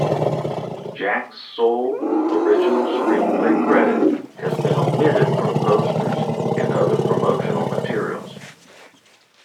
Jack's sole original screenplay credit has been omitted from posters and other promotional materials.